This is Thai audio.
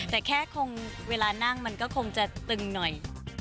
แต่แค่คงเวลานั่งมันก็คงจะตึงหน่อย